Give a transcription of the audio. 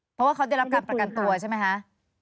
เพราะว่าเขาได้รับการประกันตัวใช่ไหมคะ